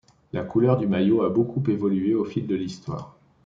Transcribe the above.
La couleur du maillot a beaucoup évolué au fil de l'histoire.